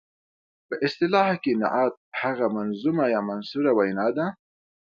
په اصطلاح کې نعت هغه منظومه یا منثوره وینا ده.